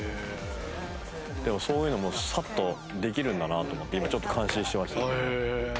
でもそういうのもサッとできるんだなと思って今ちょっと感心してました。